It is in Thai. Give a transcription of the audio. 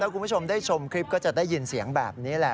คุณผู้ชมได้ชมคลิปก็จะได้ยินเสียงแบบนี้แหละ